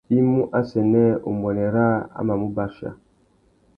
I mú assênē umbuênê râā a mà mú bachia.